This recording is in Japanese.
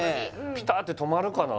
ピタッて止まるかな？